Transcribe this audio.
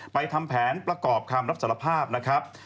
ทำแผนประกอบคำรับสารภาพนะครับ